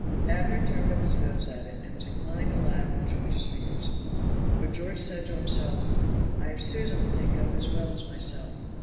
Abner turned up his nose at it, and was inclined to laugh at George's fears. But George said to himself, "I have Susan to think of as well as myself.